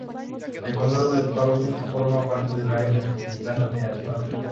El condado de Paulding forma parte del área metropolitana de Atlanta.